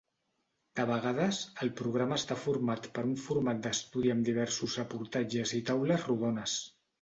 De vegades, el programa està format per un format d'estudi amb diversos reportatges i taules rodones.